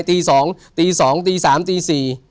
ตี๒ตี๓ตี๔